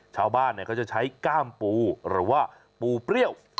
ชาวบ้านเขาจะใช้ก้ามปูหรือว่าปูเปรี้ยว